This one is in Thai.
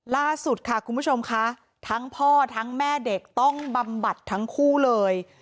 ล่าสุดค่ะคุณผู้ชมค่ะทั้งพ่อทั้งแม่เด็กต้องบำบัดทั้งคู่เลย